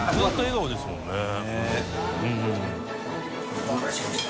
お待たせしました。